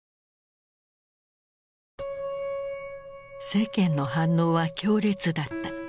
世間の反応は強烈だった。